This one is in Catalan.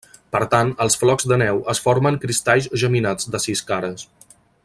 Per tant, els flocs de neu es formen cristalls geminats de sis cares.